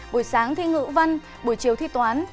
buổi sáng thi ngữ văn buổi chiều thi toán